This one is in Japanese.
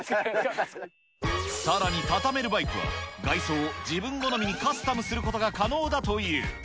さらにタタメルバイクは、外装を自分好みにカスタムすることが可能だという。